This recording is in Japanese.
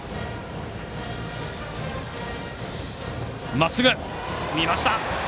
まっすぐ、見ました！